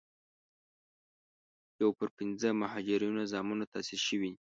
یو پر پينځمه مهاجرینو زامنو تاسیس شوې.